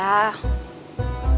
neng mau ambil motor dulu